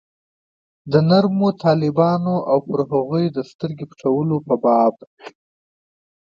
د نرمو طالبانو او پر هغوی د سترګې پټولو په باب.